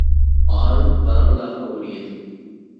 ஆறும் பரவலாக ஓடியது.